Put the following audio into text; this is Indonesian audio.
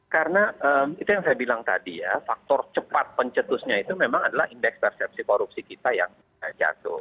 karena itu yang saya bilang tadi ya faktor cepat pencetusnya itu memang adalah indeks persepsi korupsi kita yang jatuh